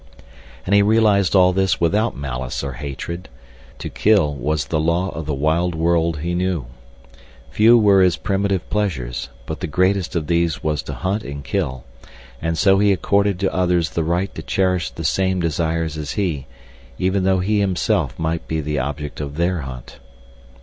And he realized all this without malice or hatred. To kill was the law of the wild world he knew. Few were his primitive pleasures, but the greatest of these was to hunt and kill, and so he accorded to others the right to cherish the same desires as he, even though he himself might be the object of their hunt.